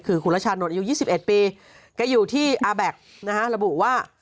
คือขุนละชานนท์อายุ๒๑ปีก็อยู่ที่อาร์แบ็กซ์นะฮะระบุว่า